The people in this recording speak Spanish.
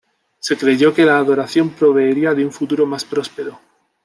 Se creyó que la adoración proveería de un futuro más próspero.